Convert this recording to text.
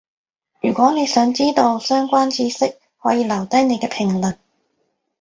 如果你想知到相關智識，可以留低你嘅評論